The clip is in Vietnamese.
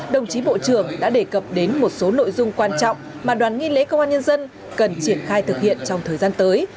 đồng chí bộ trưởng đã đề cập đến một số nội dung quan trọng mà đoàn nghi lễ công an nhân dân cần triển khai thực hiện trong thời gian tới